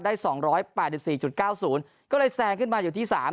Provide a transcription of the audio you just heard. ๒๘๔๙๐ก็เลยแซงขึ้นมาอยู่ที่๓